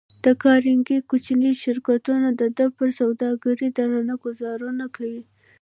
د کارنګي کوچني شرکتونه د ده پر سوداګرۍ درانه ګوزارونه کوي.